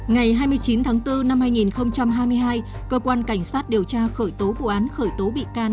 ngày hai mươi chín tháng bốn năm hai nghìn hai mươi hai cơ quan cảnh sát điều tra khởi tố vụ án khởi tố bị can